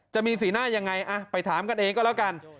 จะมีสีหน้ายังไงไปถามกันเองก็แล้วกัน